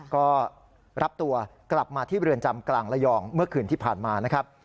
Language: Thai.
ก็รับตัวกลับมาที่เรือนจำกลางระยองเมื่อคืนที่ผ่านมานะครับ